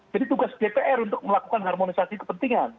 jadi tugas dpr untuk melakukan harmonisasi kepentingan